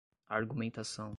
argumentação